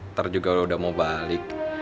ntar juga udah mau balik